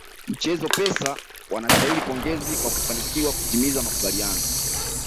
Mchezo Pesa wanastahili pongezi kwa kufanikiwa kutimiza makubaliano